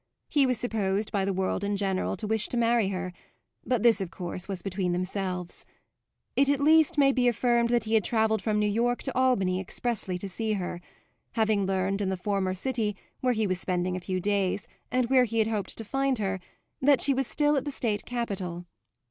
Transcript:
He was supposed by the world in general to wish to marry her, but this of course was between themselves. It at least may be affirmed that he had travelled from New York to Albany expressly to see her; having learned in the former city, where he was spending a few days and where he had hoped to find her, that she was still at the State capital.